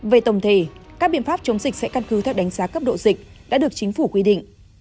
về tổng thể các biện pháp chống dịch sẽ căn cứ theo đánh giá cấp độ dịch đã được chính phủ quy định